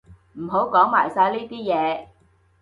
唔好講埋晒呢啲嘢